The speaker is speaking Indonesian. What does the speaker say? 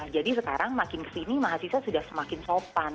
sekarang makin kesini mahasiswa sudah semakin sopan